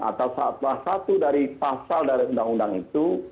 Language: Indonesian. atau satu dari pasal dari undang undang itu